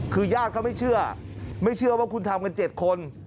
คือญาติเขาไม่เชื่อไม่เชื่อว่าคุณทำกัน๗คน